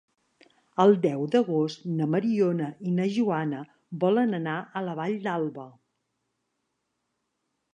El deu d'agost na Mariona i na Joana volen anar a la Vall d'Alba.